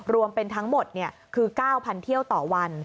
รวมเป็นทั้งหมดคือ๙๐๐เที่ยวต่อวัน